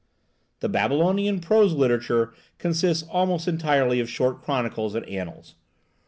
The Babylonian prose literature consists almost entirely of short chronicles and annals.